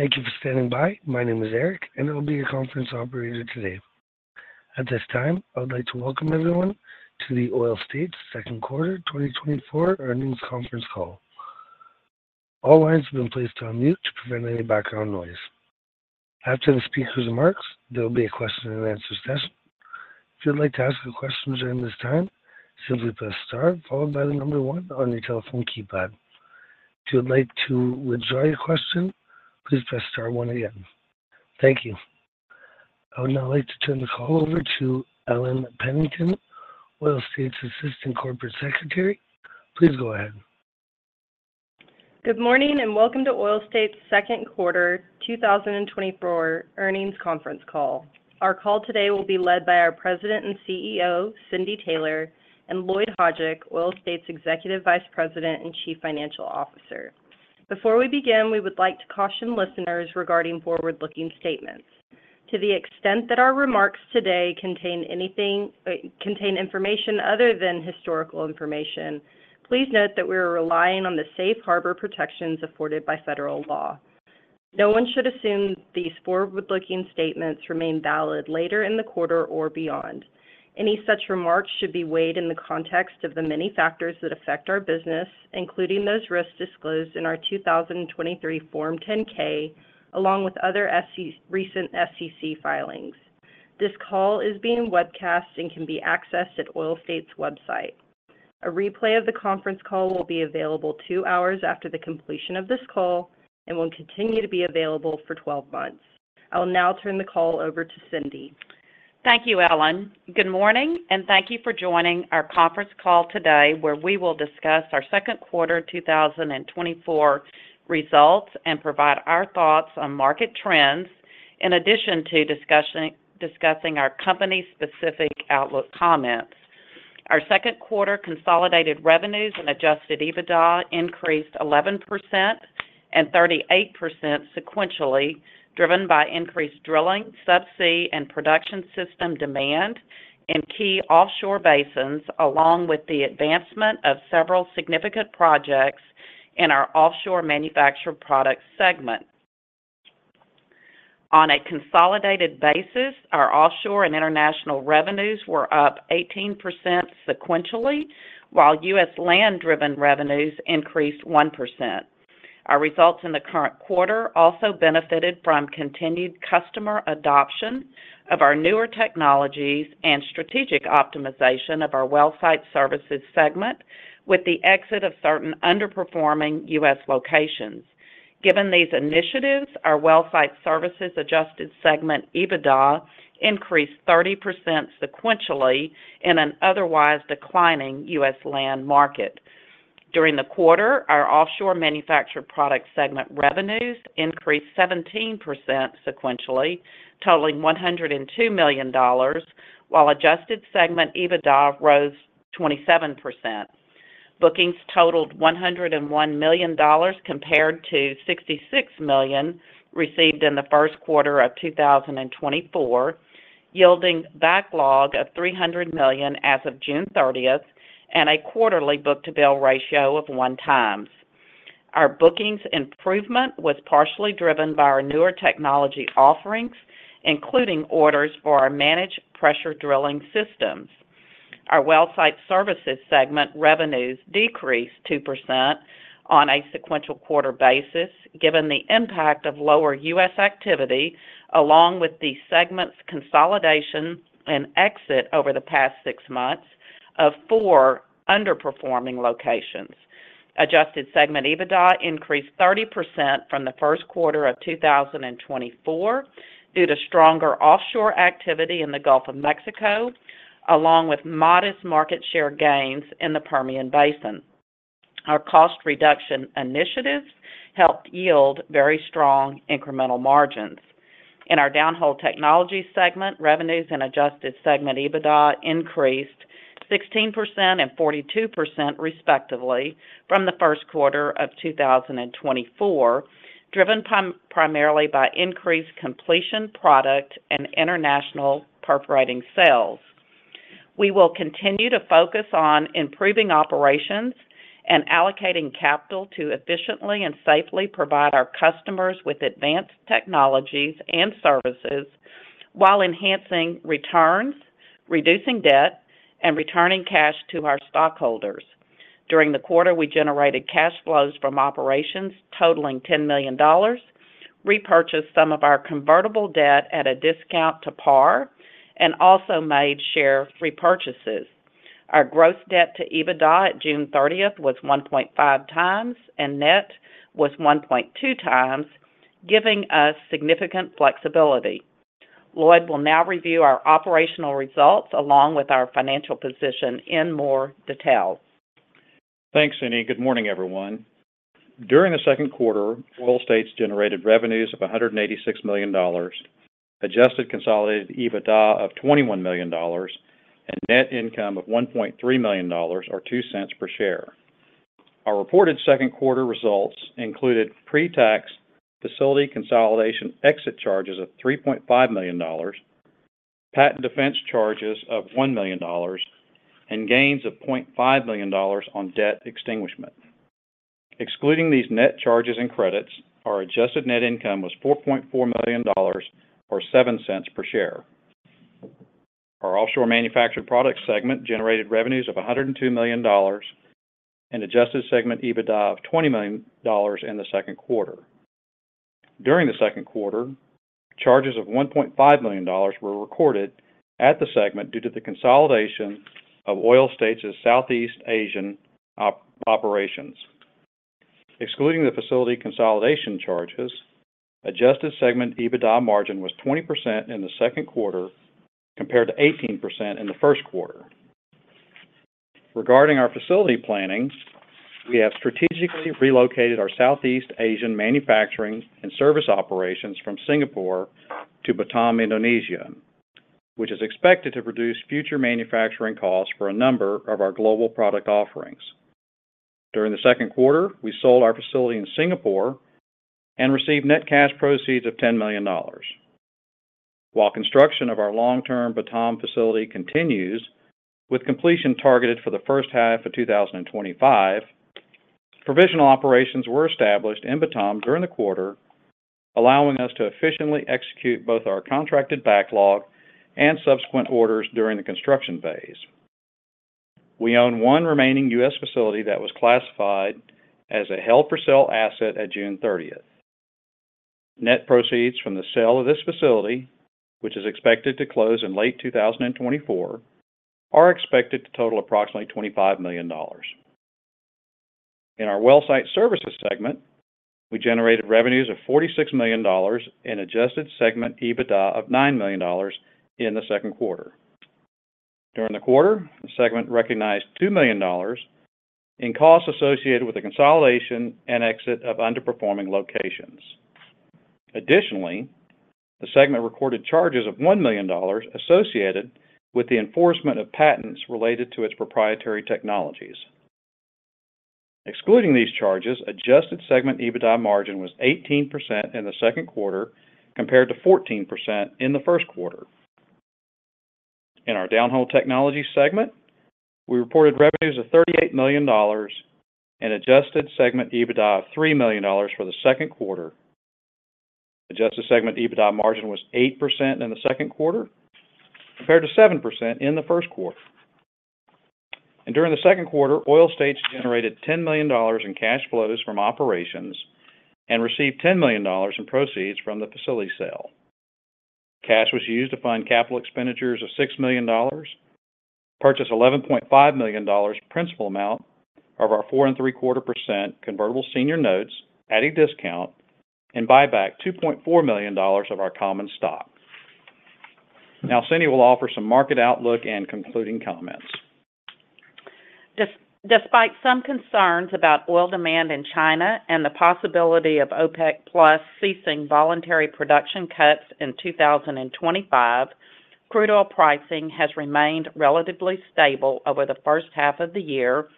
Thank you for standing by. My name is Eric, and I'll be your conference operator today. At this time, I would like to welcome everyone to the Oil States Second Quarter 2024 Earnings Conference Call. All lines have been placed on mute to prevent any background noise. After the speaker's remarks, there will be a question-and-answer session. If you'd like to ask a question during this time, simply press star, followed by the number one on your telephone keypad. If you would like to withdraw your question, please press star one again. Thank you. I would now like to turn the call over to Ellen Pennington, Oil States Assistant Corporate Secretary. Please go ahead. Good morning and welcome to Oil States Second Quarter 2024 Earnings Conference Call. Our call today will be led by our President and CEO, Cindy Taylor, and Lloyd Hajdik, Oil States Executive Vice President and Chief Financial Officer. Before we begin, we would like to caution listeners regarding forward-looking statements. To the extent that our remarks today contain information other than historical information, please note that we are relying on the safe harbor protections afforded by federal law. No one should assume these forward-looking statements remain valid later in the quarter or beyond. Any such remarks should be weighed in the context of the many factors that affect our business, including those risks disclosed in our 2023 Form 10-K, along with other recent SEC filings. This call is being webcast and can be accessed at Oil States' website. A replay of the conference call will be available two hours after the completion of this call and will continue to be available for 12 months. I will now turn the call over to Cindy. Thank you, Ellen. Good morning, and thank you for joining our conference call today, where we will discuss our second quarter 2024 results and provide our thoughts on market trends, in addition to discussing our company-specific outlook comments. Our second quarter consolidated revenues and adjusted EBITDA increased 11% and 38% sequentially, driven by increased drilling, subsea and production system demand, and key offshore basins, along with the advancement of several significant projects in our Offshore Manufactured Products segment. On a consolidated basis, our offshore and international revenues were up 18% sequentially, while U.S. land-driven revenues increased 1%. Our results in the current quarter also benefited from continued customer adoption of our newer technologies and strategic optimization of our Well-Site Services segment, with the exit of certain underperforming U.S. locations. Given these initiatives, our Well-Site Services adjusted segment EBITDA increased 30% sequentially in an otherwise declining U.S. land market. During the quarter, our Offshore Manufactured Products segment revenues increased 17% sequentially, totaling $102 million, while adjusted segment EBITDA rose 27%. Bookings totaled $101 million compared to $66 million received in the first quarter of 2024, yielding backlog of $300 million as of June 30th and a quarterly book-to-bill ratio of one times. Our bookings improvement was partially driven by our newer technology offerings, including orders for our managed pressure drilling systems. Our Well-Site Services segment revenues decreased 2% on a sequential quarter basis, given the impact of lower U.S. activity, along with the segment's consolidation and exit over the past six months of four underperforming locations. Adjusted segment EBITDA increased 30% from the first quarter of 2024 due to stronger offshore activity in the Gulf of Mexico, along with modest market share gains in the Permian Basin. Our cost reduction initiatives helped yield very strong incremental margins. In our Downhole Technology segment, revenues and adjusted segment EBITDA increased 16% and 42% respectively from the first quarter of 2024, driven primarily by increased completion product and international perforating sales. We will continue to focus on improving operations and allocating capital to efficiently and safely provide our customers with advanced technologies and services while enhancing returns, reducing debt, and returning cash to our stockholders. During the quarter, we generated cash flows from operations totaling $10 million, repurchased some of our convertible debt at a discount to par, and also made share repurchases. Our gross debt to EBITDA at June 30th was 1.5x, and net was 1.2x, giving us significant flexibility. Lloyd will now review our operational results along with our financial position in more detail. Thanks, Cindy. Good morning, everyone. During the second quarter, Oil States generated revenues of $186 million, adjusted consolidated EBITDA of $21 million, and net income of $1.3 million, or $0.02 per share. Our reported second quarter results included pre-tax facility consolidation exit charges of $3.5 million, patent defense charges of $1 million, and gains of $0.5 million on debt extinguishment. Excluding these net charges and credits, our adjusted net income was $4.4 million, or $0.07 per share. Our Offshore Manufactured Products segment generated revenues of $102 million and adjusted segment EBITDA of $20 million in the second quarter. During the second quarter, charges of $1.5 million were recorded at the segment due to the consolidation of Oil States' Southeast Asian operations. Excluding the facility consolidation charges, adjusted segment EBITDA margin was 20% in the second quarter compared to 18% in the first quarter. Regarding our facility planning, we have strategically relocated our Southeast Asian manufacturing and service operations from Singapore to Batam, Indonesia, which is expected to reduce future manufacturing costs for a number of our global product offerings. During the second quarter, we sold our facility in Singapore and received net cash proceeds of $10 million. While construction of our long-term Batam facility continues, with completion targeted for the first half of 2025, provisional operations were established in Batam during the quarter, allowing us to efficiently execute both our contracted backlog and subsequent orders during the construction phase. We own one remaining U.S. facility that was classified as a held-for-sale asset at June 30th. Net proceeds from the sale of this facility, which is expected to close in late 2024, are expected to total approximately $25 million. In our Well-Site Services segment, we generated revenues of $46 million and adjusted segment EBITDA of $9 million in the second quarter. During the quarter, the segment recognized $2 million in costs associated with the consolidation and exit of underperforming locations. Additionally, the segment recorded charges of $1 million associated with the enforcement of patents related to its proprietary technologies. Excluding these charges, adjusted segment EBITDA margin was 18% in the second quarter compared to 14% in the first quarter. In our Downhole Technology segment, we reported revenues of $38 million and adjusted segment EBITDA of $3 million for the second quarter. Adjusted segment EBITDA margin was 8% in the second quarter compared to 7% in the first quarter. During the second quarter, Oil States generated $10 million in cash flows from operations and received $10 million in proceeds from the facility sale. Cash was used to fund capital expenditures of $6 million, purchased $11.5 million principal amount of our 4.75% convertible senior notes at a discount, and buy back $2.4 million of our common stock. Now, Cindy will offer some market outlook and concluding comments. Despite some concerns about oil demand in China and the possibility of OPEC+ ceasing voluntary production cuts in 2025, crude oil pricing has remained relatively stable over the first half of the year,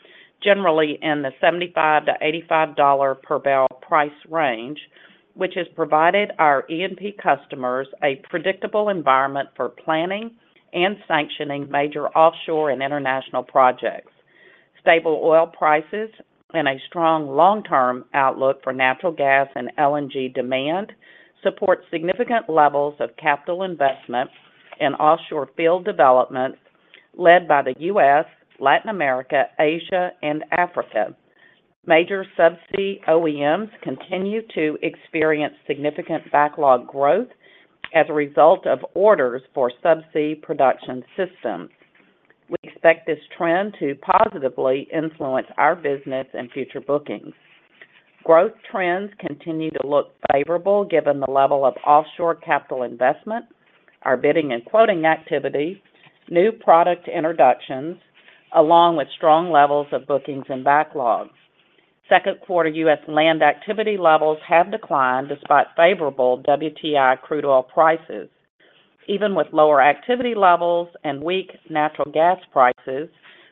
generally in the $75-$85 per barrel price range, which has provided our E&P customers a predictable environment for planning and sanctioning major offshore and international projects. Stable oil prices and a strong long-term outlook for natural gas and LNG demand support significant levels of capital investment in offshore field development led by the U.S., Latin America, Asia, and Africa. Major subsea OEMs continue to experience significant backlog growth as a result of orders for subsea production systems. We expect this trend to positively influence our business and future bookings. Growth trends continue to look favorable given the level of offshore capital investment, our bidding and quoting activity, new product introductions, along with strong levels of bookings and backlog. Second quarter U.S. land activity levels have declined despite favorable WTI crude oil prices. Even with lower activity levels and weak natural gas prices,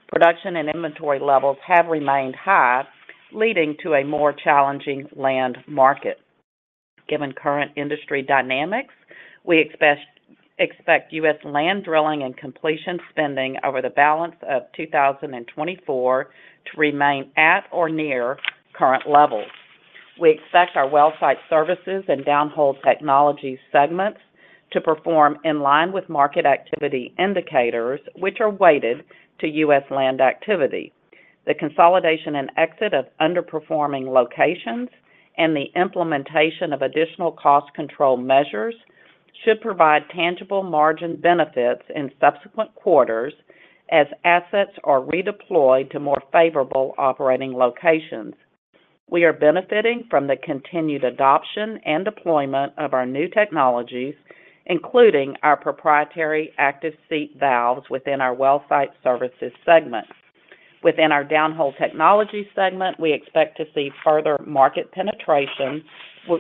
production and inventory levels have remained high, leading to a more challenging land market. Given current industry dynamics, we expect U.S. land drilling and completion spending over the balance of 2024 to remain at or near current levels. We expect our well-site services and Downhole Technology segments to perform in line with market activity indicators, which are weighted to U.S. land activity. The consolidation and exit of underperforming locations and the implementation of additional cost control measures should provide tangible margin benefits in subsequent quarters as assets are redeployed to more favorable operating locations. We are benefiting from the continued adoption and deployment of our new technologies, including our proprietary Active Seat Valves within our Well-Site Services segment. Within our Downhole Technology segment, we expect to see further market penetration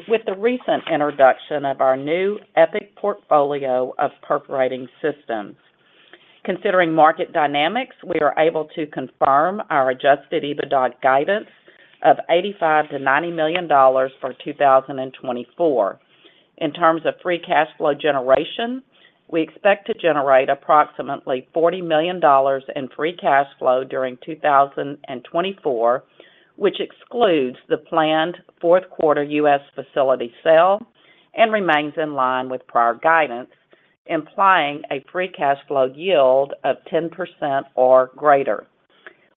with the recent introduction of our new EPIC portfolio of perforating systems. Considering market dynamics, we are able to confirm our adjusted EBITDA guidance of $85 million-$90 million for 2024. In terms of free cash flow generation, we expect to generate approximately $40 million in free cash flow during 2024, which excludes the planned fourth quarter U.S. facility sale and remains in line with prior guidance, implying a free cash flow yield of 10% or greater.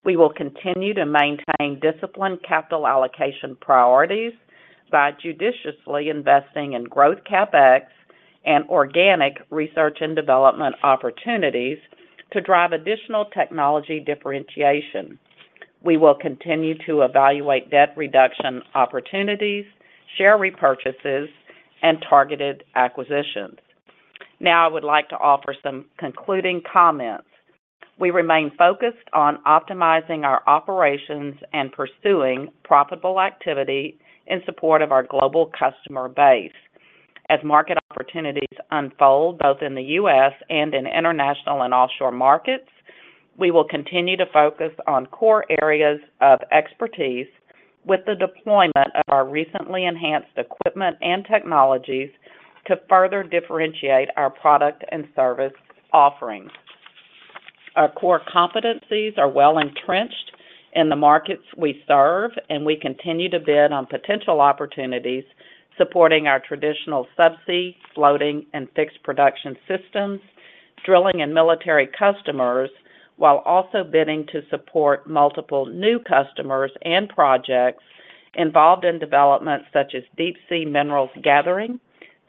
We will continue to maintain disciplined capital allocation priorities by judiciously investing in growth CapEx and organic research and development opportunities to drive additional technology differentiation. We will continue to evaluate debt reduction opportunities, share repurchases, and targeted acquisitions. Now, I would like to offer some concluding comments. We remain focused on optimizing our operations and pursuing profitable activity in support of our global customer base. As market opportunities unfold both in the U.S. and in international and offshore markets, we will continue to focus on core areas of expertise with the deployment of our recently enhanced equipment and technologies to further differentiate our product and service offerings. Our core competencies are well entrenched in the markets we serve, and we continue to bid on potential opportunities supporting our traditional subsea, floating, and fixed production systems, drilling and military customers, while also bidding to support multiple new customers and projects involved in developments such as deep-sea minerals gathering,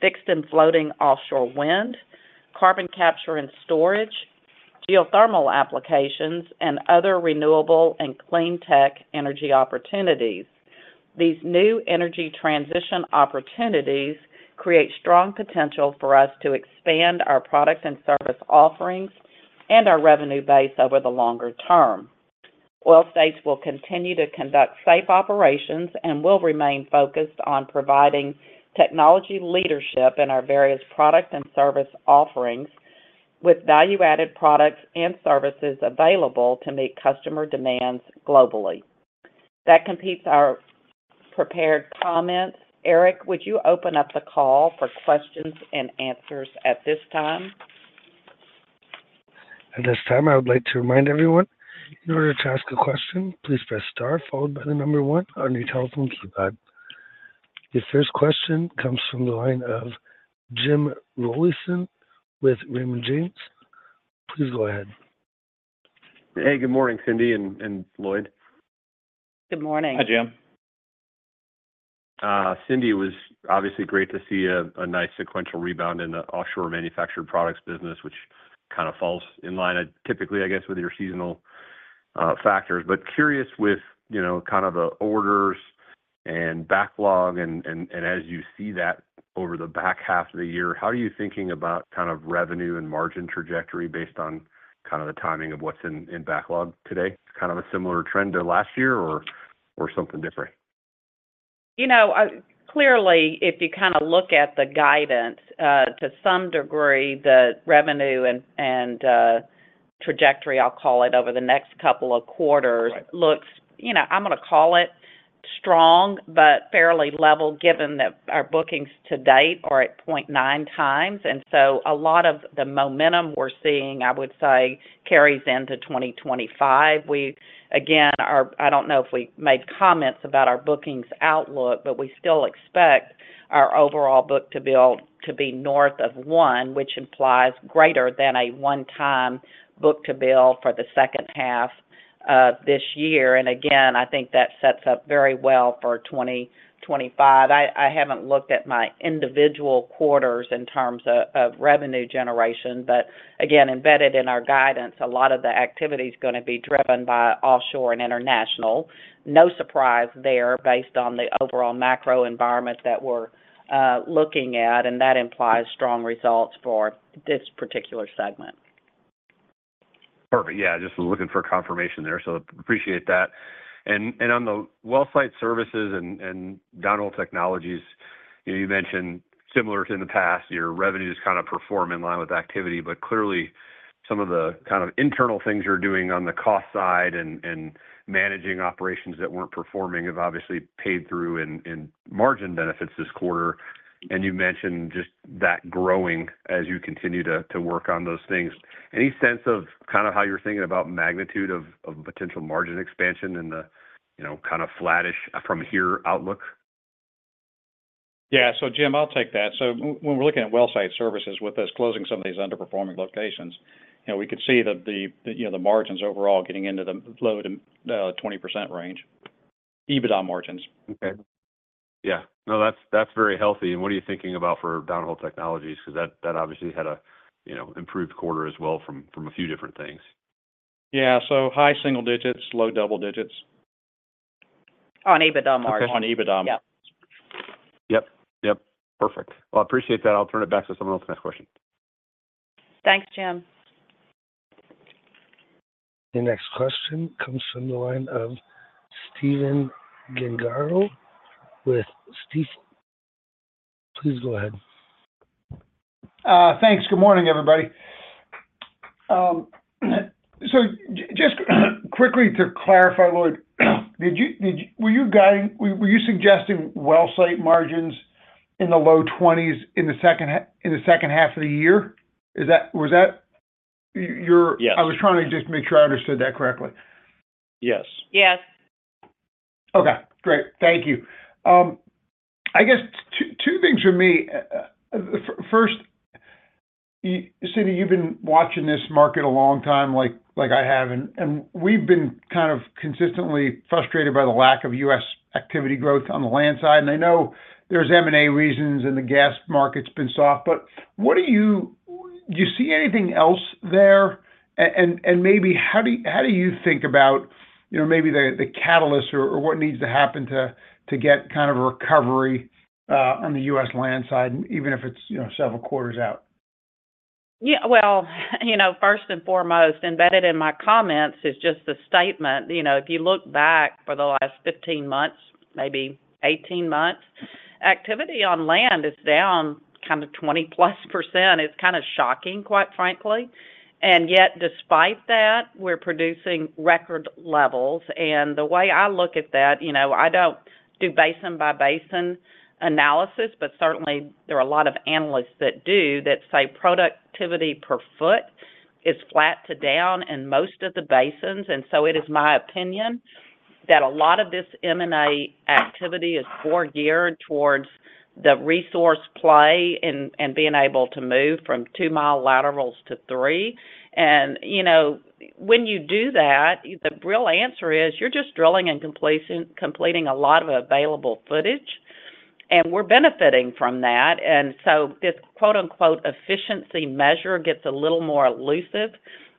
fixed and floating offshore wind, carbon capture and storage, geothermal applications, and other renewable and clean tech energy opportunities. These new energy transition opportunities create strong potential for us to expand our product and service offerings and our revenue base over the longer term. Oil States will continue to conduct safe operations and will remain focused on providing technology leadership in our various product and service offerings with value-added products and services available to meet customer demands globally. That completes our prepared comments. Eric, would you open up the call for questions and answers at this time? At this time, I would like to remind everyone, in order to ask a question, please press star followed by the number one on your telephone keypad. The first question comes from the line of Jim Rollyson with Raymond James. Please go ahead. Hey, good morning, Cindy and Lloyd. Good morning. Hi, Jim. Cindy, it was obviously great to see a nice sequential rebound in the Offshore Manufactured Products business, which kind of falls in line, typically, I guess, with your seasonal factors. But curious with kind of the orders and backlog, and as you see that over the back half of the year, how are you thinking about kind of revenue and margin trajectory based on kind of the timing of what's in backlog today? Kind of a similar trend to last year or something different? Clearly, if you kind of look at the guidance, to some degree, the revenue and trajectory, I'll call it, over the next couple of quarters looks, I'm going to call it, strong but fairly level given that our bookings to date are at 0.9x. And so a lot of the momentum we're seeing, I would say, carries into 2025. Again, I don't know if we made comments about our bookings outlook, but we still expect our overall book-to-bill to be north of one, which implies greater than a one times book-to-bill for the second half of this year. And again, I think that sets up very well for 2025. I haven't looked at my individual quarters in terms of revenue generation, but again, embedded in our guidance, a lot of the activity is going to be driven by offshore and international. No surprise there based on the overall macro environment that we're looking at, and that implies strong results for this particular segment. Perfect. Yeah, just looking for confirmation there. So appreciate that. And on the Well-Site Services and Downhole Technologies, you mentioned similar to in the past, your revenues kind of perform in line with activity, but clearly some of the kind of internal things you're doing on the cost side and managing operations that weren't performing have obviously paid through in margin benefits this quarter. And you mentioned just that growing as you continue to work on those things. Any sense of kind of how you're thinking about magnitude of potential margin expansion and the kind of flattish from here outlook? Yeah. So Jim, I'll take that. So when we're looking at Well-Site Services with us closing some of these underperforming locations, we could see the margins overall getting into the low to 20% range. EBITDA margins. Okay. Yeah. No, that's very healthy. What are you thinking about for Downhole Technologies? Because that obviously had an improved quarter as well from a few different things. Yeah. So high single digits, low double digits. On EBITDA margins. On EBITDA. Yeah. Yep. Yep. Perfect. Well, I appreciate that. I'll turn it back to someone else next question. Thanks, Jim. The next question comes from the line of Stephen Gengaro with Stifel. Please go ahead. Thanks. Good morning, everybody. So just quickly to clarify, Lloyd, were you suggesting Well-Site margins in the low 20s in the second half of the year? Was that your? Yes. I was trying to just make sure I understood that correctly. Yes. Yes. Okay. Great. Thank you. I guess two things for me. First, Cindy, you've been watching this market a long time like I have, and we've been kind of consistently frustrated by the lack of U.S. activity growth on the land side. And I know there's M&A reasons and the gas market's been soft, but do you see anything else there? And maybe how do you think about maybe the catalysts or what needs to happen to get kind of a recovery on the U.S. land side, even if it's several quarters out? Yeah. Well, first and foremost, embedded in my comments is just the statement. If you look back for the last 15 months, maybe 18 months, activity on land is down kind of 20%+. It's kind of shocking, quite frankly. And yet, despite that, we're producing record levels. And the way I look at that, I don't do basin-by-basin analysis, but certainly there are a lot of analysts that do that say productivity per foot is flat to down in most of the basins. And so it is my opinion that a lot of this M&A activity is more geared towards the resource play and being able to move from two-mile laterals to three. And when you do that, the real answer is you're just drilling and completing a lot of available footage, and we're benefiting from that. And so this "efficiency measure" gets a little more elusive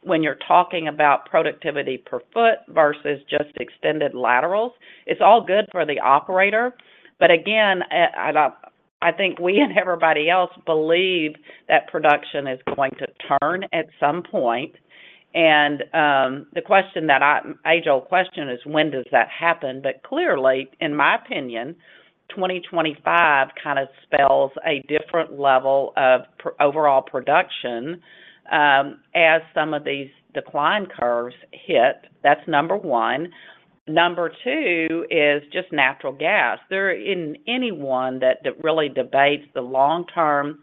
when you're talking about productivity per foot versus just extended laterals. It's all good for the operator, but again, I think we and everybody else believe that production is going to turn at some point. And the age-old question is, when does that happen? But clearly, in my opinion, 2025 kind of spells a different level of overall production as some of these decline curves hit. That's number one. Number two is just natural gas. There isn't anyone that really debates the long-term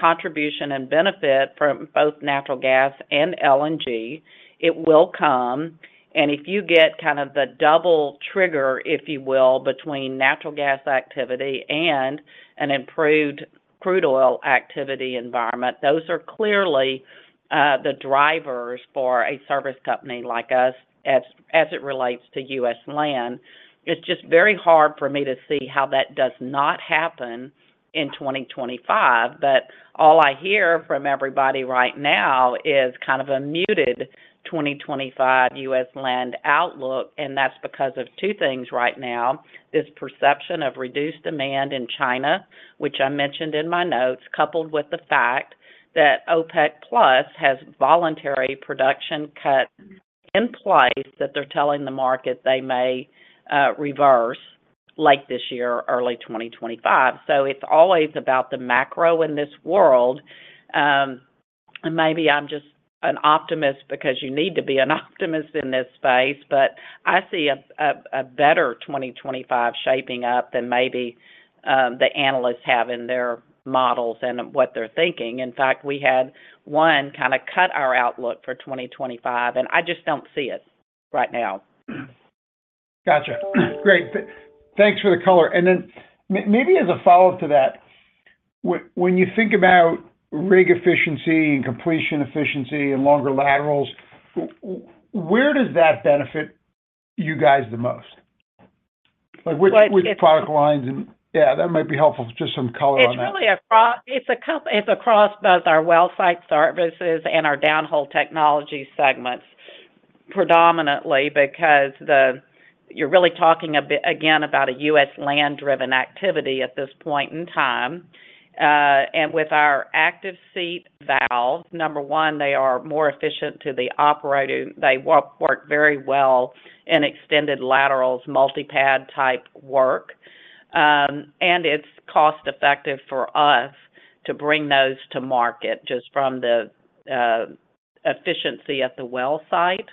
contribution and benefit from both natural gas and LNG. It will come. And if you get kind of the double trigger, if you will, between natural gas activity and an improved crude oil activity environment, those are clearly the drivers for a service company like us as it relates to U.S. land. It's just very hard for me to see how that does not happen in 2025. But all I hear from everybody right now is kind of a muted 2025 U.S. land outlook. And that's because of two things right now: this perception of reduced demand in China, which I mentioned in my notes, coupled with the fact that OPEC+ has voluntary production cuts in place that they're telling the market they may reverse late this year, early 2025. So it's always about the macro in this world. And maybe I'm just an optimist because you need to be an optimist in this space, but I see a better 2025 shaping up than maybe the analysts have in their models and what they're thinking. In fact, we had one kind of cut our outlook for 2025, and I just don't see it right now. Gotcha. Great. Thanks for the color. And then maybe as a follow-up to that, when you think about rig efficiency and completion efficiency and longer laterals, where does that benefit you guys the most? Which product lines? Yeah, that might be helpful for just some color on that. It's really across both our Well-Site Services and our Downhole Technology segments predominantly because you're really talking again about a U.S. land-driven activity at this point in time. And with our Active Seat Valves, number one, they are more efficient to the operator. They work very well in extended laterals, multi-pad type work. And it's cost-effective for us to bring those to market just from the efficiency at the Well Site.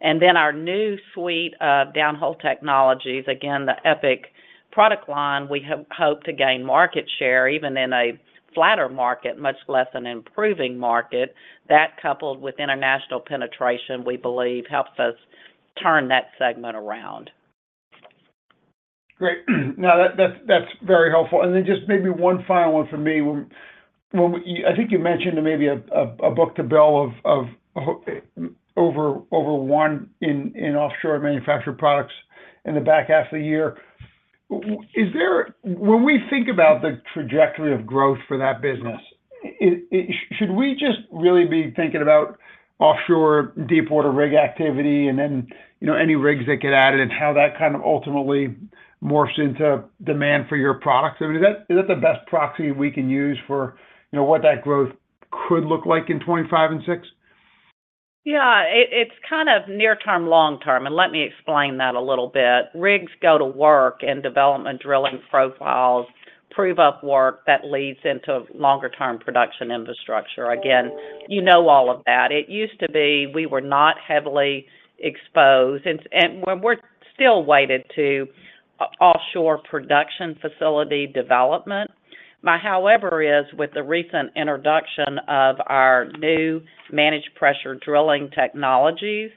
And then our new suite of Downhole Technologies, again, the EPIC product line, we hope to gain market share even in a flatter market, much less an improving market. That coupled with international penetration, we believe, helps us turn that segment around. Great. Now, that's very helpful. And then just maybe one final one for me. I think you mentioned maybe a book-to-bill of over one in Offshore Manufactured Products in the back half of the year. When we think about the trajectory of growth for that business, should we just really be thinking about offshore deep water rig activity and then any rigs that get added and how that kind of ultimately morphs into demand for your products? I mean, is that the best proxy we can use for what that growth could look like in 2025 and 2026? Yeah. It's kind of near-term, long-term. And let me explain that a little bit. Rigs go to work in development drilling profiles, prove up work that leads into longer-term production infrastructure. Again, you know all of that. It used to be we were not heavily exposed. And we're still weighted to offshore production facility development. But however is with the recent introduction of our new managed pressure drilling technologies,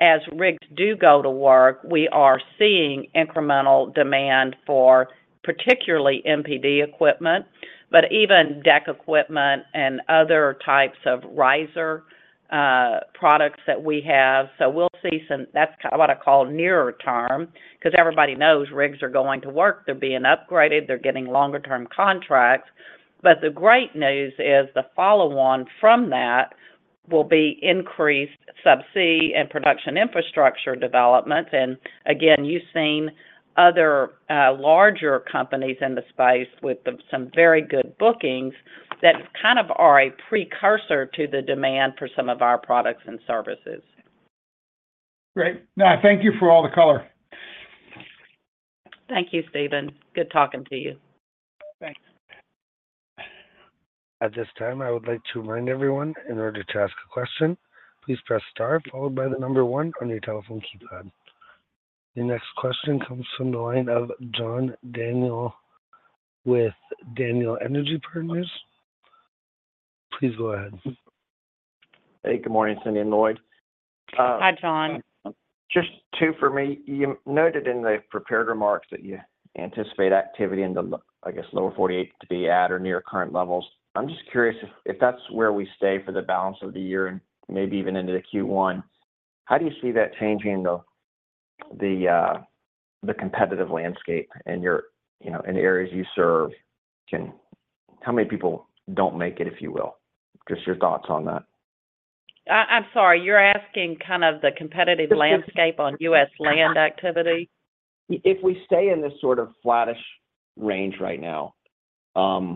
as rigs do go to work, we are seeing incremental demand for particularly MPD equipment, but even deck equipment and other types of riser products that we have. So we'll see some, that's what I call nearer term because everybody knows rigs are going to work. They're being upgraded. They're getting longer-term contracts. But the great news is the follow-on from that will be increased subsea and production infrastructure development. Again, you've seen other larger companies in the space with some very good bookings that kind of are a precursor to the demand for some of our products and services. Great. No, thank you for all the color. Thank you, Stephen. Good talking to you. Thanks. At this time, I would like to remind everyone, in order to ask a question, please press star followed by the number one on your telephone keypad. The next question comes from the line of John Daniel with Daniel Energy Partners. Please go ahead. Hey, good morning, Cindy and Lloyd. Hi, John. Just two for me. You noted in the prepared remarks that you anticipate activity in the, I guess, lower 48 to be at or near current levels. I'm just curious if that's where we stay for the balance of the year and maybe even into Q1. How do you see that changing the competitive landscape in the areas you serve? How many people don't make it, if you will? Just your thoughts on that. I'm sorry. You're asking kind of the competitive landscape on U.S. land activity? If we stay in this sort of flattish range right now, do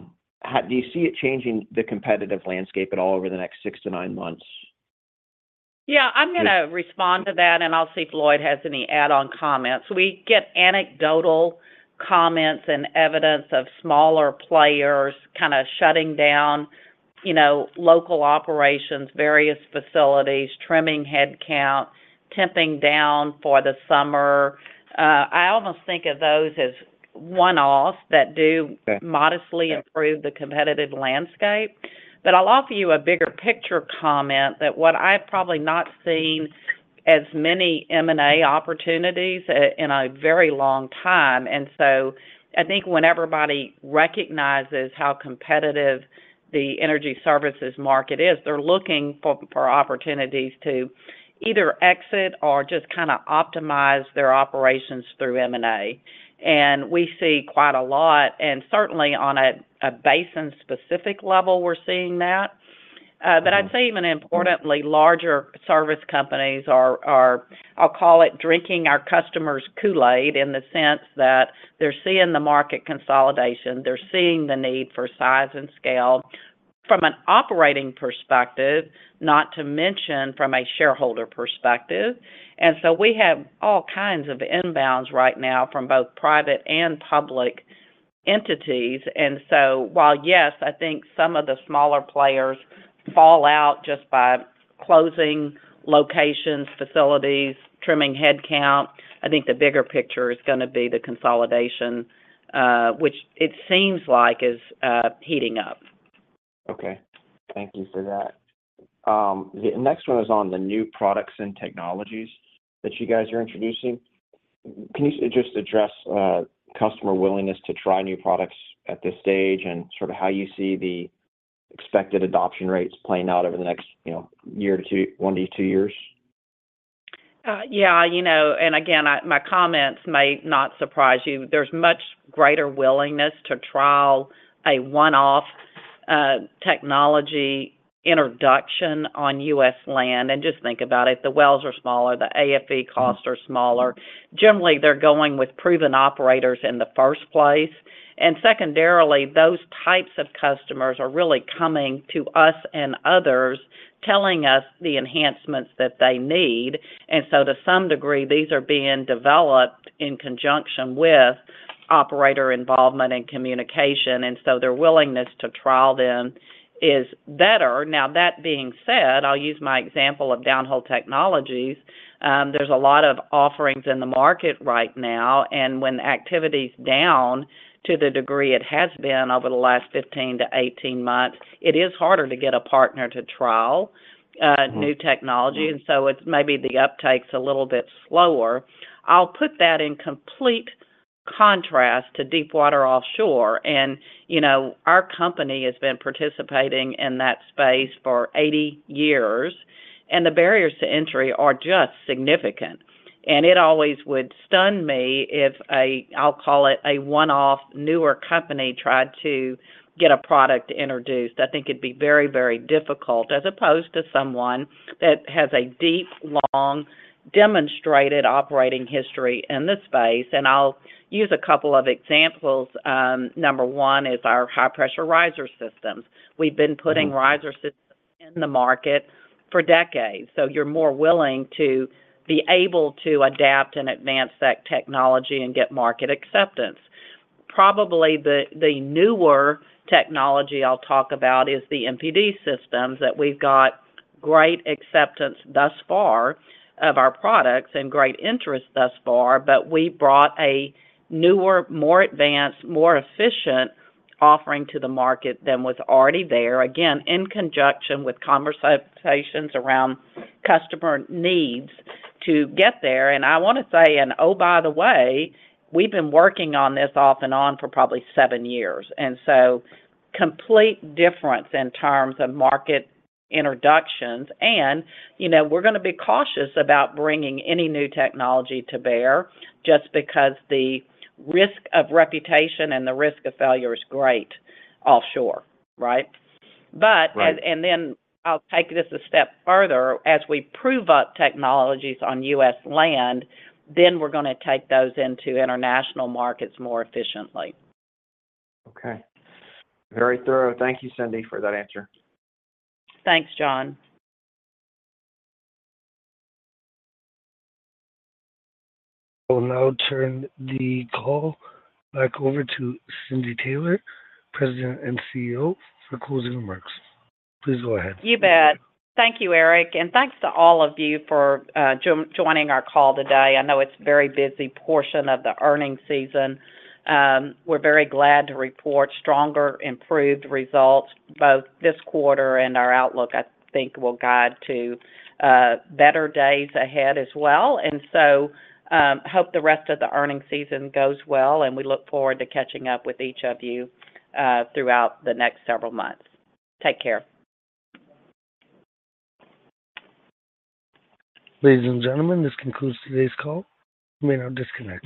you see it changing the competitive landscape at all over the next six to nine months? Yeah. I'm going to respond to that, and I'll see if Lloyd has any add-on comments. We get anecdotal comments and evidence of smaller players kind of shutting down local operations, various facilities, trimming headcount, temping down for the summer. I almost think of those as one-offs that do modestly improve the competitive landscape. But I'll offer you a bigger picture comment that what I've probably not seen as many M&A opportunities in a very long time. And so I think when everybody recognizes how competitive the energy services market is, they're looking for opportunities to either exit or just kind of optimize their operations through M&A. And we see quite a lot. And certainly, on a basin-specific level, we're seeing that. But I'd say even importantly, larger service companies are, I'll call it, drinking our customer's Kool-Aid in the sense that they're seeing the market consolidation. They're seeing the need for size and scale from an operating perspective, not to mention from a shareholder perspective. And so we have all kinds of inbounds right now from both private and public entities. And so while, yes, I think some of the smaller players fall out just by closing locations, facilities, trimming headcount, I think the bigger picture is going to be the consolidation, which it seems like is heating up. Okay. Thank you for that. The next one is on the new products and technologies that you guys are introducing. Can you just address customer willingness to try new products at this stage and sort of how you see the expected adoption rates playing out over the next year to 1 year-2 years? Yeah. And again, my comments may not surprise you. There's much greater willingness to trial a one-off technology introduction on U.S. land. And just think about it. The wells are smaller. The AFE costs are smaller. Generally, they're going with proven operators in the first place. And secondarily, those types of customers are really coming to us and others telling us the enhancements that they need. And so to some degree, these are being developed in conjunction with operator involvement and communication. And so their willingness to trial them is better. Now, that being said, I'll use my example of Downhole Technologies. There's a lot of offerings in the market right now. And when activity's down to the degree it has been over the last 15 months-18 months, it is harder to get a partner to trial new technology. And so maybe the uptake's a little bit slower. I'll put that in complete contrast to deep water offshore. Our company has been participating in that space for 80 years. The barriers to entry are just significant. It always would stun me if, I'll call it, a one-off newer company tried to get a product introduced. I think it'd be very, very difficult as opposed to someone that has a deep, long, demonstrated operating history in the space. I'll use a couple of examples. Number one is our high-pressure riser systems. We've been putting riser systems in the market for decades. So you're more willing to be able to adapt and advance that technology and get market acceptance. Probably the newer technology I'll talk about is the MPD systems that we've got great acceptance thus far of our products and great interest thus far. But we brought a newer, more advanced, more efficient offering to the market than was already there, again, in conjunction with conversations around customer needs to get there. And I want to say, and oh, by the way, we've been working on this off and on for probably seven years. And so complete difference in terms of market introductions. And we're going to be cautious about bringing any new technology to bear just because the risk of reputation and the risk of failure is great offshore, right? And then I'll take this a step further. As we prove up technologies on U.S. land, then we're going to take those into international markets more efficiently. Okay. Very thorough. Thank you, Cindy, for that answer. Thanks, John. I will now turn the call back over to Cindy Taylor, President and CEO, for closing remarks. Please go ahead. You bet. Thank you, Eric. Thanks to all of you for joining our call today. I know it's a very busy portion of the earnings season. We're very glad to report stronger, improved results, both this quarter and our outlook. I think will guide to better days ahead as well. So I hope the rest of the earnings season goes well. We look forward to catching up with each of you throughout the next several months. Take care. Ladies and gentlemen, this concludes today's call. You may now disconnect.